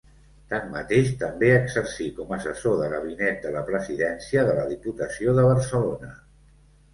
Tanmateix també exercí com assessor de Gabinet de la Presidència de la Diputació de Barcelona.